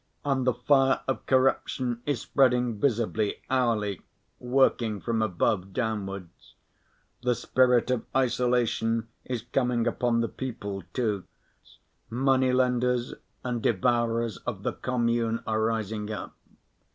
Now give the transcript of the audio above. And the fire of corruption is spreading visibly, hourly, working from above downwards. The spirit of isolation is coming upon the people too. Money‐ lenders and devourers of the commune are rising up.